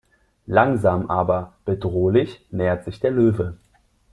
Langsam aber bedrohlich näherte sich der Löwe.